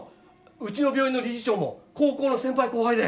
うちの病院の理事長も高校の先輩後輩で。